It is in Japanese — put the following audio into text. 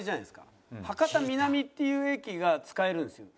博多南っていう駅が使えるんですよ。